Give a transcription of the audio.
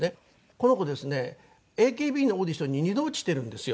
この子ですねＡＫＢのオーディションに２度落ちてるんですよ。